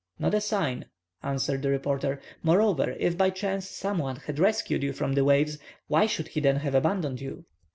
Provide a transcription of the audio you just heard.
"Not a sign," answered the reporter. "Moreover, if by chance some one had rescued you from the waves, why should he then have abandoned you?"